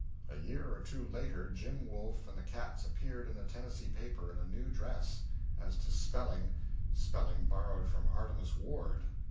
A year or two later "Jim Wolf and the Cats" appeared in a Tennessee paper in a new dress as to spelling; spelling borrowed from Artemus Ward.